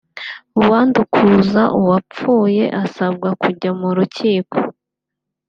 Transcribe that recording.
uwandukuza uwapfuye asabwa kujya mu rukiko